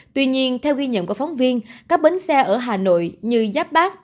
tuy nhiên theo ghi nhận của phóng viên các bến xe ở hà nội như giáp bát